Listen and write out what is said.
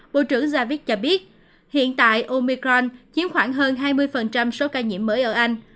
bộ trưởng javik cho biết hiện tại omicron chiếm khoảng hơn hai mươi số ca nhiễm mới ở anh